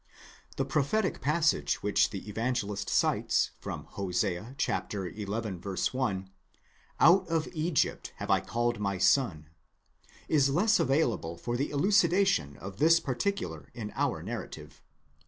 The prophetic passage which the evangelist cites from Hosea xi. 1, Out of Egypt have 7 called my son—is 1655 available for the elucidation of this particular in our narrative.